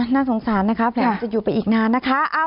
อ๋อน่าสงสารนะครับแผลงจะอยู่ไปอีกนานนะคะ